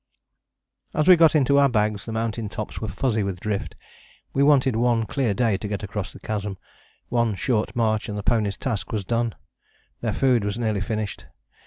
" As we got into our bags the mountain tops were fuzzy with drift. We wanted one clear day to get across the chasm: one short march and the ponies' task was done. Their food was nearly finished.